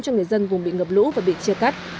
cho người dân vùng bị ngập lũ và bị chia cắt